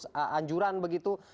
satu anjuran begitu